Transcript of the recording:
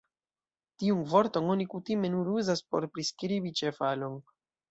Tiun vorton oni kutime nur uzas por priskribi ĉevalon.